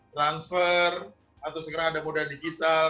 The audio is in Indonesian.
transfer atau sekarang ada moda digital